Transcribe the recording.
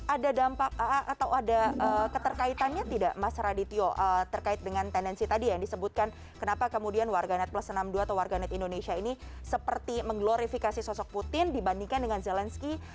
ada dampak atau ada keterkaitannya tidak mas radityo terkait dengan tendensi tadi yang disebutkan kenapa kemudian warganet plus enam puluh dua atau warganet indonesia ini seperti mengglorifikasi sosok putin dibandingkan dengan zelensky